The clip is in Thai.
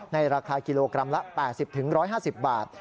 ราคากิโลกรัมละ๘๐๑๕๐บาท